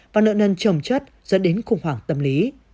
và nợ nần trồng chất dẫn đến khủng hoảng tâm lý